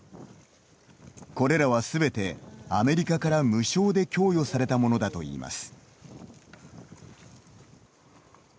これらはすべてアメリカから無償で供与されたものだといいます。